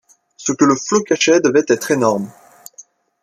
Ce que le flot cachait devait être énorme.